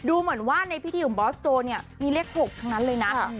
ดูเหมือนว่าในพิธีของบอสโจเนี่ยมีเลข๖ทั้งนั้นเลยนะ